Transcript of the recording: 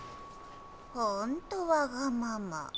ほんとわがまま。